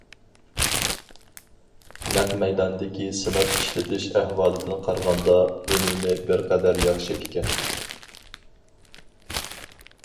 نەق مەيداندىكى سىناپ ئىشلىتىش ئەھۋالىدىن قارىغاندا، ئۈنۈمى بىر قەدەر ياخشى ئىكەن.